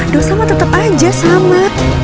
duh sama tetep aja sama